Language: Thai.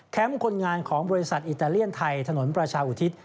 คนงานของบริษัทอิตาเลียนไทยถนนประชาอุทิศ